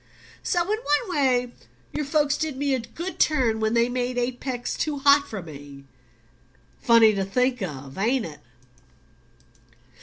So in one way your folks did me a good turn when they made Apex too hot for me: funny to think of, ain't it?"